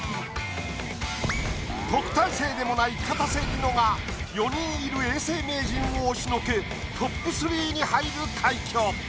特待生でもないかたせ梨乃が４人いる永世名人を押しのけトップ３に入る快挙。